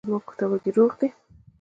ایا زما پښتورګي روغ دي؟